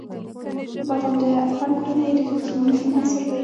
بادام د افغان کورنیو د دودونو مهم عنصر دی.